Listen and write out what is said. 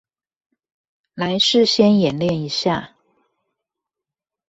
來事先演練一下